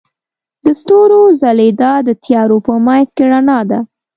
د ستورو ځلیدا د تیارو په منځ کې رڼا ده.